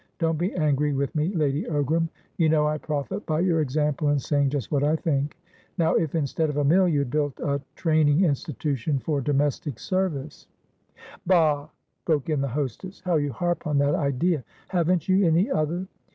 Don't be angry with me, Lady Ogram; you know I profit by your example in saying just what I think. Now, if, instead of a mill, you had built a training institution for domestic service" "Bah!" broke in the hostess. "How you harp on that idea! Haven't you any other?"